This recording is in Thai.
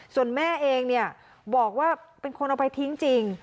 ส่วนแม่เองเนี่ยบอกว่าเป็นคนเอาไปทิ้งจริง